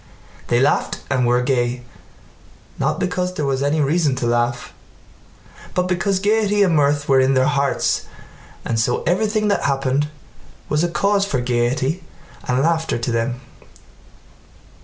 They laughed and were gay not because there was any reason to laugh, but because gaiety and mirth were in their hearts and so everything that happened was a cause for gaiety and laughter to them.